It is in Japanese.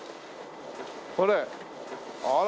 これあら！